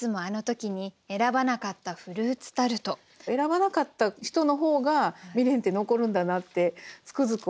選ばなかった人の方が未練って残るんだなってつくづく思って。